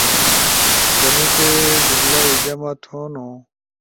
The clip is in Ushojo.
شنوٹے جمہ ئی جمع تھونو